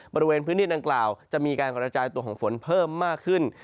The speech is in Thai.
บริเวณพื้นที่ดังกล่าวจะมีการกระจายตัวของฝนเพิ่มมากขึ้น